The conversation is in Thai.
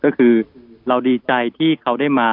ก็คือเราดีใจที่เขาได้มา